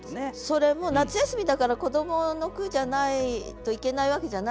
それも「夏休」だから子どもの句じゃないといけないわけじゃないでしょ。